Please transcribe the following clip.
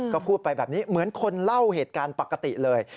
ก็พูดไปแบบนี้เหมือนคนเล่าเหตุการณ์ปกติเลย